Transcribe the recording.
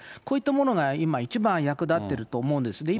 こういったものが今、一番役立っていると思うんです。